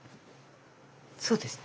そうですね。